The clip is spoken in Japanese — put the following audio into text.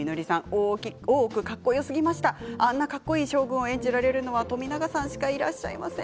あんなかっこいい将軍を演じられるのは冨永さんしかいらっしゃいません。